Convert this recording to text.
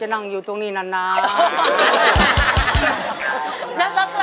เพลงนี้อยู่ในอาราบัมชุดแรกของคุณแจ็คเลยนะครับ